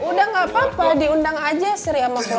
udah gak apa apa diundang aja sri sama keluarganya